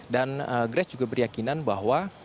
dan grace juga beryakinan bahwa